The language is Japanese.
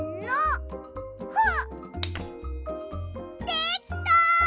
できた！